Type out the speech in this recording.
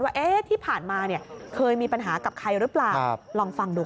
ว่าที่ผ่านมาเคยมีปัญหากับใครรึเปล่าลองฟังดู